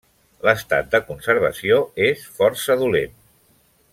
L'estat de conservació es força dolent.